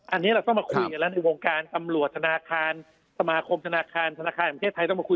อันนี้เราต้องมาคุยกันแล้วในวงการตำรวจธนาคารสมาคมธนาคารธนาคารแห่งประเทศไทยต้องมาคุย